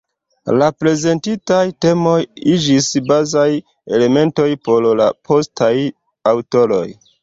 La prezentitaj temoj iĝis bazaj elementoj por postaj aŭtoroj.